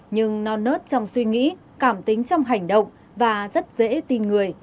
nhưng non nớt trong suy nghĩ cảm tính trong hành động và rất dễ tin người